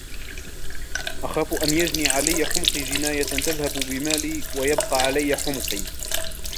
أَخَافُ أَنْ يَجْنِيَ عَلَيَّ حُمْقِي جِنَايَةً تَذْهَبُ بِمَالِي وَيَبْقَى عَلَيَّ حُمْقِي